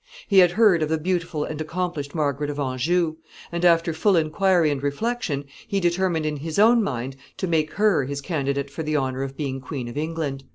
He had heard of the beautiful and accomplished Margaret of Anjou, and after full inquiry and reflection, he determined in his own mind to make her his candidate for the honor of being Queen of England.